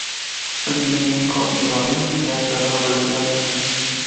Fue el primer y único hidroavión que ha superado la velocidad del sonido.